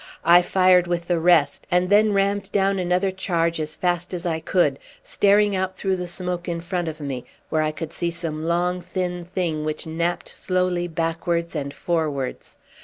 I fired with the rest, and then rammed down another charge as fast as I could, staring out through the smoke in front of me, where I could see some long, thin thing which napped slowly backwards and forwards.